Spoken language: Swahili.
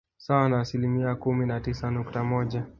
sawa na asilimia kumi na tisa nukta moja